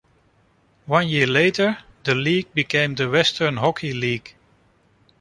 One year later, the league became the Western Hockey League.